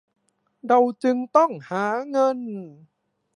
เราจึงต้องหาเงิน